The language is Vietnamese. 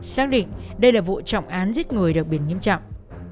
xác định đây là vụ trọng án giết người đặc biệt nghiêm trọng